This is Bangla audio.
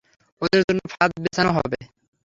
ওদের জন্য ফাঁদ বিছানো হবে।